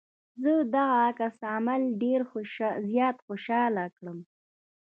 زه دغه عکس العمل ډېر زيات خوشحاله کړم.